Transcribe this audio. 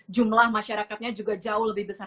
jumlah masyarakatnya juga jauh lebih besar